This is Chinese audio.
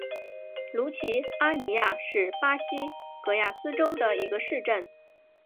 卢齐阿尼亚是巴西戈亚斯州的一个市镇。